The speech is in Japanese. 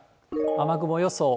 雨雲予想。